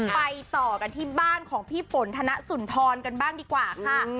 ไปต่อกันที่บ้านของพี่ฝนธนสุนทรกันบ้างดีกว่าค่ะ